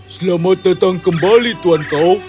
selamat datang kembali tuhan kau